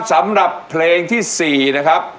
สำหรับเพลงที่๔นะครับ